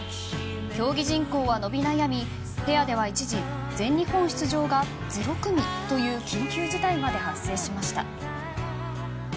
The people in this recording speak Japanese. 競技人口は伸び悩みペアでは一時全日本出場がゼロ組という緊急事態にまで発生しました。